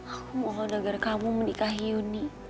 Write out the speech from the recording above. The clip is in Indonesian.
aku mohon agar kamu menikahi uni